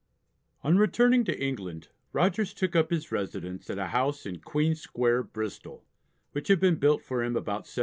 On returning to England Rogers took up his residence at a house in Queen Square, Bristol, which had been built for him about 1708.